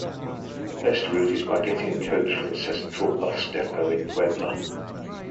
The best route is by getting a coach from central bus depot in Puebla.